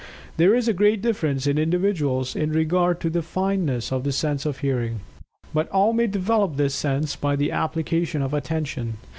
There is a great difference in individuals in regard to the fineness of the sense of Hearing. But all may develop this sense by the application of Attention.